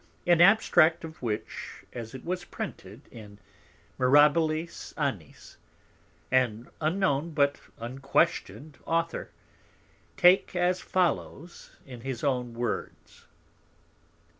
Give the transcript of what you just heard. An Abstract of which, as it was printed in Mirabilis Annis, an unknown, but unquestion'd Author, take as follows, in his own Words.